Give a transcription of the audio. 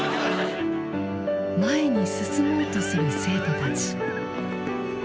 前に進もうとする生徒たち。